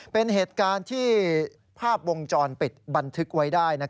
เป็นเหตุการณ์ที่ภาพวงจรปิดบันทึกไว้ได้